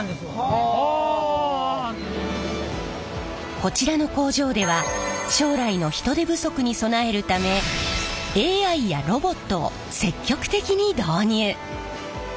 こちらの工場では将来の人手不足に備えるためＡＩやロボットを積極的に導入！